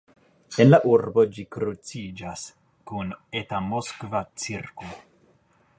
En la urbo ĝi kruciĝas kun Eta Moskva cirklo.